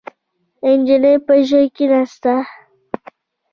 نجلۍ پر ژۍ کېناسته.